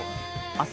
明日